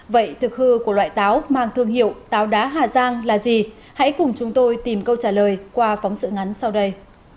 vậy thực hư của loại táo mang thương hiệu táo đá hà giang là gì hãy cùng chúng tôi tìm câu trả lời qua phóng sự ngắn sau đây